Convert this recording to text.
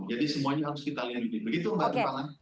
jadi semuanya harus kita lindungi begitu mbak timpangan